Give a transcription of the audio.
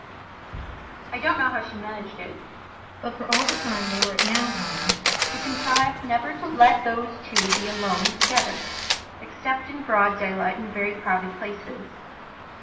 I don't know how she managed it, but, for all the time they were at Nauheim, she contrived never to let those two be alone together, except in broad daylight, in very crowded places.